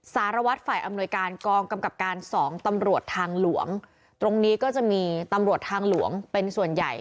สารวัตรฝ่ายอำนวยการกองกำกับการสองตำรวจทางหลวงตรงนี้ก็จะมีตำรวจทางหลวงเป็นส่วนใหญ่